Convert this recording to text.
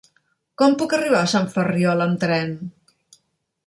Com puc arribar a Sant Ferriol amb tren?